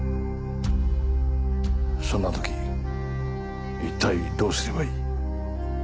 そんな時一体どうすればいい？